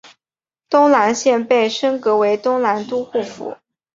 东莱县被升格为东莱都护府。